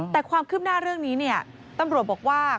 แต่ความคืบหน้าเรื่องนี้ตำรวจบอกว่า